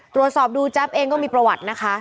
ตรวจสอบดูแจ๊บเองก็มีประวัตินะคะ